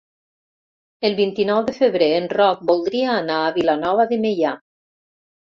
El vint-i-nou de febrer en Roc voldria anar a Vilanova de Meià.